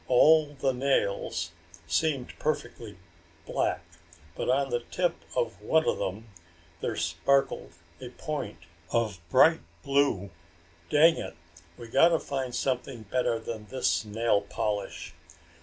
All the nails seemed perfectly black, but on the tip of one of them there sparkled a point of bright blue. "Dang it, we gotta find something better than this nail polish.